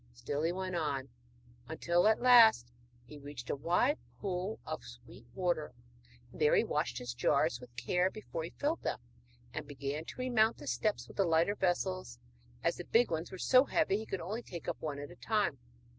Still he went on, until at last he reached a wide pool of sweet water, and there he washed his jars with care before he filled them, and began to remount the steps with the lighter vessels, as the big ones were so heavy he could only take up one at a time.